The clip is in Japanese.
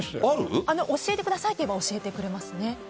教えてくださいと言えば教えてくれますね。